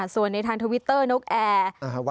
ส่วนในทางทวิตเตอร์นกแอร์